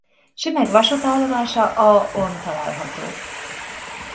Sümeg vasútállomása a on található.